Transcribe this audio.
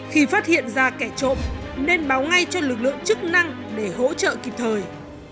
khi phát hiện ra kẻ trộm nên báo ngay cho lực lượng chức năng để hỗ trợ kịp thời